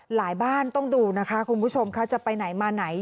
บ้านต้องดูนะคะคุณผู้ชมค่ะจะไปไหนมาไหน